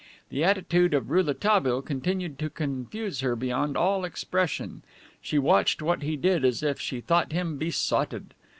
The attitude of Rouletabille continued to confuse her beyond all expression. She watched what he did as if she thought him besotted.